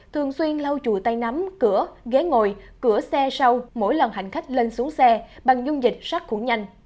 thường xuyên lau chùi tay nắm cửa ghế ngồi cửa xe sau mỗi lần hành khách lên xuống xe bằng dung dịch sát khuẩn nhanh